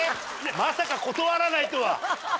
まさか断らないとは。